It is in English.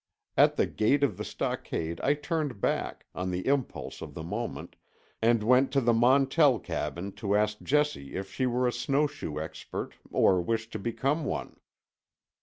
At the gate of the stockade I turned back, on the impulse of the moment, and went to the Montell cabin to ask Jessie if she were a snowshoe expert or wished to become one.